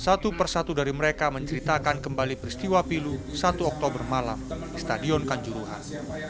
satu persatu dari mereka menceritakan kembali peristiwa pilu satu oktober malam di stadion kanjuruhan